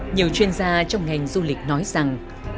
nhiều chuyên gia trong ngành du lịch nói rằng